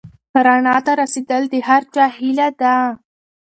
رڼا ته رسېدل د هر چا هیله ده.